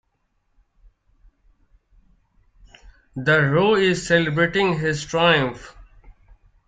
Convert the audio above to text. The rogue is celebrating his triumph.